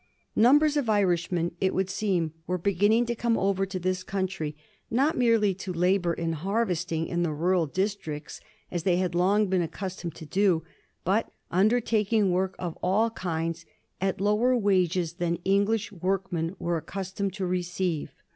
Numbers of Irishmen, it would seem, were beginning to come over to this country, not merely to labor in harvesting in the rural districts, as they had long been accustomed to do, but undertaking work of all kinds at lower wages than English workmen were accustomed to receive.